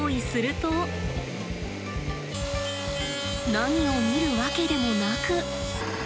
何を見るわけでもなく。